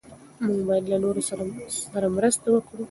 موږ باید له نورو سره مرسته وکړو.